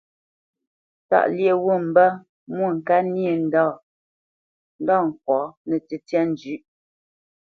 Tâʼ lyéʼ wût mbə́ Mwôŋkát nyê ndâ ŋkwǎ nə́ tə́tyā njʉ̌ʼ.